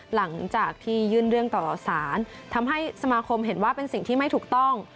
หลังจากที่ยื่นเรื่องต่อสารทำให้สมาคมเห็นว่าเป็นสิ่งที่ไม่ถูกต้อง